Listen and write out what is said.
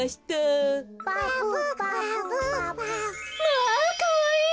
まあかわいい！